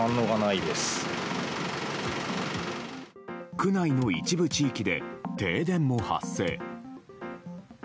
区内の一部地域で停電も発生。